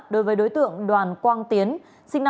đối với đối tượng đoàn quang tiến sinh năm một nghìn chín trăm linh